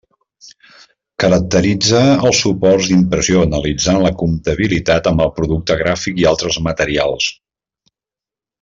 Caracteritza els suports d'impressió analitzant la compatibilitat amb el producte gràfic i altres materials.